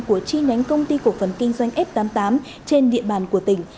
của chi nhánh công ty cổ phần kinh doanh f tám mươi tám trên địa bàn của tỉnh